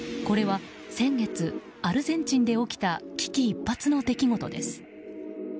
これは先月アルゼンチンで起きた危機一髪の出来事です。